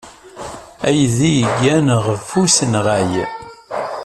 Aydi yeggan ɣef usenɣay.